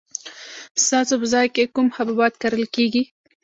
ستاسو په ځای کې کوم حبوبات کرل کیږي؟